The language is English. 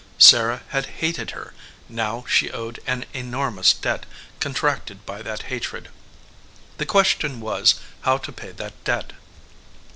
Sarah had hated her, now she owed an enormous debt con tracted by that hatred. The question was how to pay that debt.